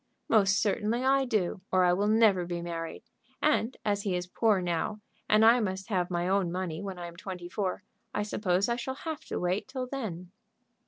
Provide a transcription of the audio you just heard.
"Most certainly I do, or I will never be married; and as he is poor now, and I must have my own money when I am twenty four, I suppose I shall have to wait till then."